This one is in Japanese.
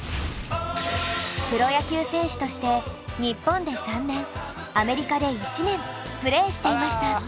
プロ野球選手として日本で３年アメリカで１年プレーしていました。